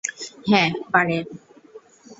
হ্যাঁ, পারে।